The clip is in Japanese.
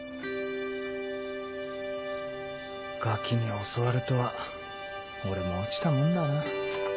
ガキに教わるとは俺も落ちたもんだな。